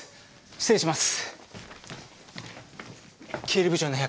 失礼します。